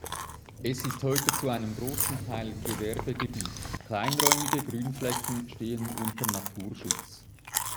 Es ist heute zu einem großen Teil Gewerbegebiet, kleinräumige Grünflächen stehen unter Naturschutz.